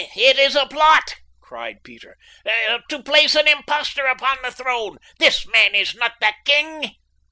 "It is a plot," cried Peter, "to place an impostor upon the throne! This man is not the king."